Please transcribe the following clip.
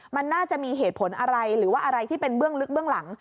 มันน่าจะมีเหตุผลอะไรหรือว่าอะไรที่เป็นเบื้องลึกเบื้องหลัง